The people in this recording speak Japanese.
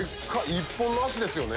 １本の脚ですよね。